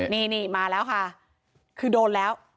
นี่มาแล้วค่ะคือโดนแล้ว